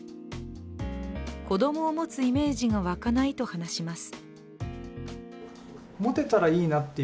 子供を持つイメージが湧かないと話します。